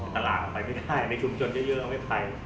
ตลาดไปไม่ได้ชุมชนจะเยอะเอาไว้ไฟ